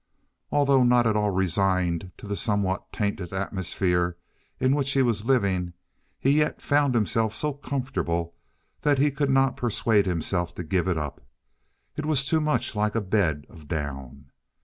Although not at all resigned to the somewhat tainted atmosphere in which he was living, he yet found himself so comfortable that he could not persuade himself to give it up. It was too much like a bed of down.